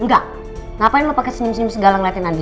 enggak ngapain lu pake senyum senyum segala ngeliatin andi